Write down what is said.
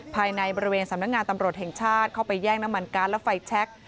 ภายในบริเวณสำนักงานตำรวจแห่งชาติเข้าไปแย่งน้ำมันการ์ดและไฟแชค